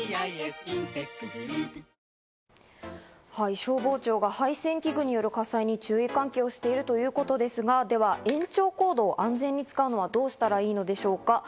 消防庁が配線器具による火災に注意喚起をしているということですが、では延長コードを安全に使うにはどうしたらいいのでしょうか。